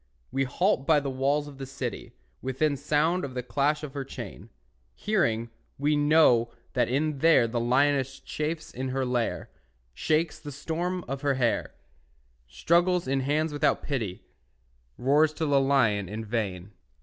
We halt by the walls of the city, Within sound of the clash of her chain. Hearing, we know that in there The lioness chafes in her lair, Shakes the storm of her hair, Struggles in hands without pity, Roars to the lion in vain.